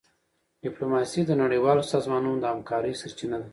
ډيپلوماسي د نړیوالو سازمانونو د همکارۍ سرچینه ده.